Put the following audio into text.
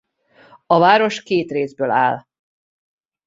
A város két részből áll.